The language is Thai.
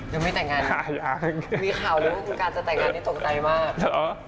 ยังไม่แต่งงานมีข่าวเรื่องการจะแต่งงานนี่ตกใจมาก